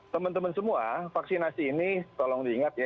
teman teman semua vaksinasi ini tolong diingat ya